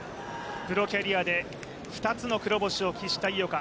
プロキャリアで２つの黒星を喫した井岡。